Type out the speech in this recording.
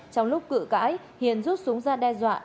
trong lúc cự cãi hiền rút súng ra đe dọa